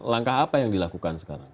langkah apa yang dilakukan sekarang